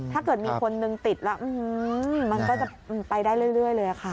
ถ้าเกิดมีคนนึงติดแล้วมันก็จะไปได้เรื่อยเลยค่ะ